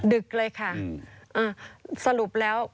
ดึกเลยค่ะสรุปแล้ว